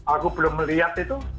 aku belum melihat itu